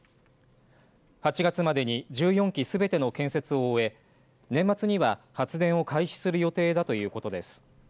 ８月までに１４基すべての建設を終え年末には発電を開始する予定だということです。